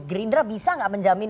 gerindra bisa gak menjamin